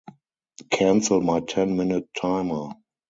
Cancel my ten minute timer.